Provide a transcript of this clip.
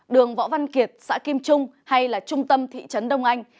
đường võ văn kiệt xã kim trung hay là trung tâm thị trấn đông anh